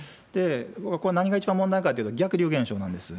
僕はこれ、何が一番問題かというと、逆流現象なんです。